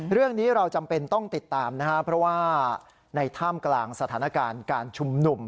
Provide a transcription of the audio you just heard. เรื่องนี้เราจำเป็นต้องติดตามนะครับเพราะว่าในท่ามกลางสถานการณ์การชุมนุม